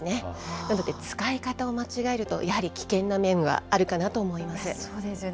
なので、使い方を間違えると、やはり危険な面があるかなと思いまそうですよね。